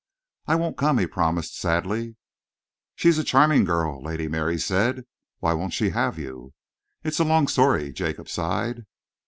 "I won't come," he promised sadly. "She's a charming girl," Lady Mary said. "Why won't she have you?" "It's a long story," Jacob sighed.